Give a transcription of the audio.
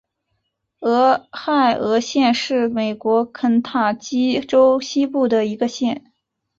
俄亥俄县是美国肯塔基州西部的一个县。